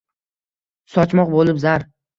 Sochmoq bo’lib zar